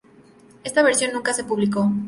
Esta versión nunca se publicó.